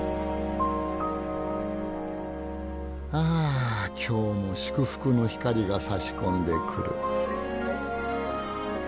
ああ今日も祝福の光がさし込んでくる。